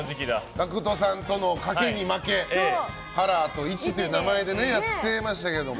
ＧＡＣＫＴさんとの賭けに負けハラとイチという名前でやってましたけども。